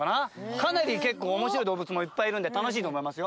かなり結構おもしろい動物もいっぱいいるんで、楽しいと思いますよ。